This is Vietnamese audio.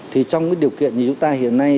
thì trong cái điều kiện như chúng ta hiện nay